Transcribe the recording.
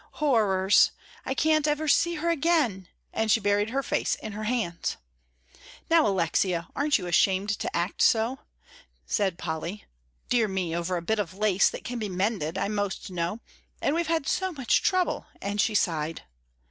"Horrors! I can't ever see her again!" and she buried her face in her hands. "Now, Alexia, aren't you ashamed to act so?" said Polly. "Dear me, over a bit of lace that can be mended, I most know; and we've had so much trouble," and she sighed.